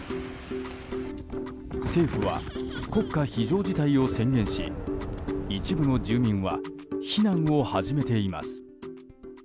政府は国家非常事態を宣言し一部の住民は避難を始めています。